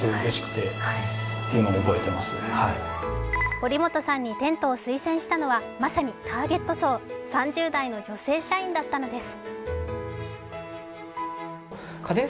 堀本さんにＴＥＮＴを推薦したのはまさにターゲット層、３０代の女性社員だったのです。